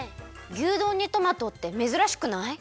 牛丼にトマトってめずらしくない？